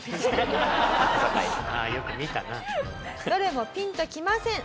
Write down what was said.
どれもピンときません。